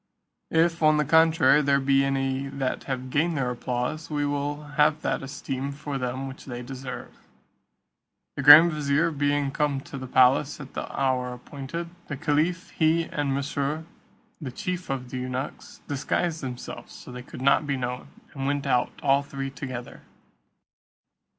If, on the contrary, there be any that have gained their applause, we will have that esteem for them which they deserve." The grand vizier being come to the palace at the hour appointed, the caliph, he, and Mesrour the chief of the eunuchs, disguised themselves so that they could not be known, and went out all three together.